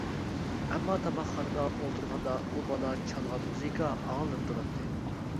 ئەمما تاماقخانىدا ئولتۇرغاندا ئۇ بالا چالغان مۇزىكا ئاڭلىنىپ تۇراتتى.